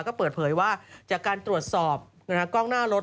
ก็เปิดเผยว่าจากการตรวจสอบกล้องหน้ารถ